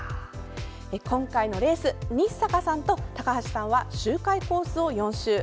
今回のレース、日坂さんと高橋さんは、周回コースを４周。